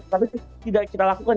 tetapi itu tidak kita lakukan